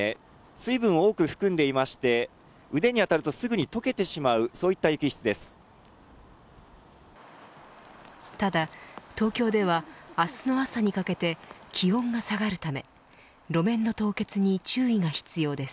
水分を多く含んでいまして腕に当たるとすぐに溶けてしまうそういった雪質です。